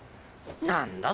何だ？